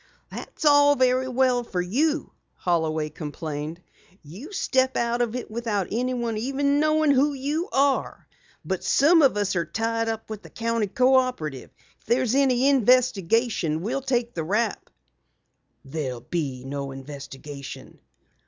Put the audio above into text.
"That's all very well for you," Holloway complained. "You step out of it without anyone even knowing who you are. But some of us are tied up with the County Cooperative. If there's any investigation, we'll take the rap." "There will be no investigation."